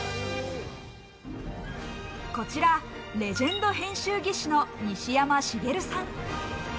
こちら、レジェンド編集技師の西山茂さん。